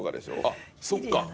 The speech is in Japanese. あっそっか。